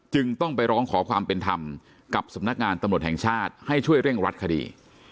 จึงต้องไปร้องขอความเป็นธรรมกับสำนักงานตำรวจแห่งชาติให้ช่วยเร่งรัดคดี